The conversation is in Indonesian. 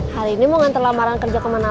dari thailand memang dari seluruh negara